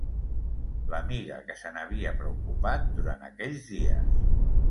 L’amiga que se n’havia preocupat durant aquells dies.